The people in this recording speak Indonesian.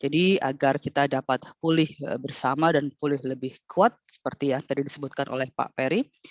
jadi agar kita dapat pulih bersama dan pulih lebih kuat seperti yang tadi disebutkan oleh pak perry